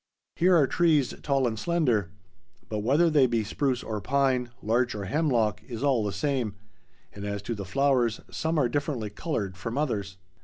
There are trees tall and slender, but whether they be spruce or pine, larch or hemlock, is all the same; and as to the flowers—some are differently colored from others.